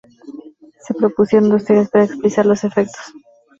Se propusieron dos teorías para explicar los efectos.